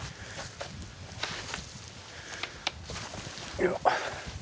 よっ。